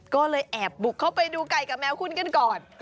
ก็เลยแอบบุกเข้าไปดูไก่กับแมวคุณกันก่อน